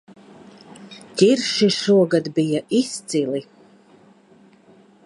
Ķirši šogad bija izcili